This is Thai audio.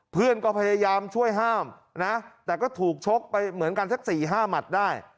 เพื่อนก็พยายามช่วยห้ามนะแต่ก็ถูกชกไปเหมือนกันสัก๔๕หมัดได้